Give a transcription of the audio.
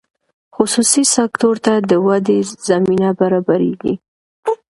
خصوصي سکتور ته د ودې زمینه برابریږي.